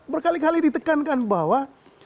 berkali kali ditekankan bahwa